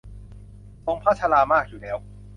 ทรงพระชรามากอยู่แล้ว